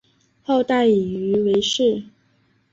后代以鱼为氏。